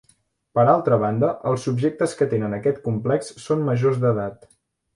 Per altra banda, els subjectes que tenen aquest complex són majors d'edat.